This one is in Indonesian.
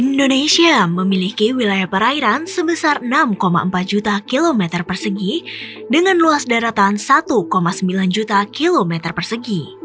indonesia memiliki wilayah perairan sebesar enam empat juta kilometer persegi dengan luas daratan satu sembilan juta kilometer persegi